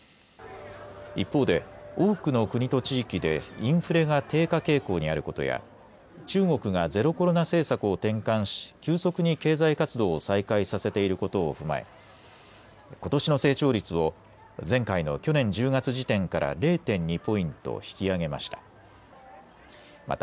一方で多くの国と地域でインフレが低下傾向にあることや中国がゼロコロナ政策を転換し急速に経済活動を再開させていることを踏まえことしの成長率を前回の去年１０月時点から０．２ポイント引き上げました。